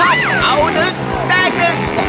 อ้าอ้าวดึกได้ดึก